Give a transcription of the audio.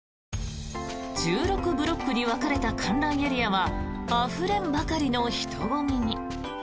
１６ブロックに分かれた観覧エリアはあふれんばかりの人混みに。